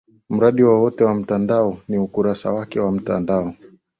mradi wowote wa mtandao ni ukurasa wake wa mtandao